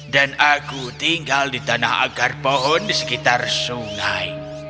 dan aku tinggal di tanah akar pohon di sekitar sungai